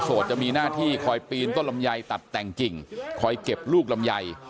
จะมีหน้าที่คอยปีนต้นลำไยตัดแต่งกิ่งคอยเก็บลูกลำไย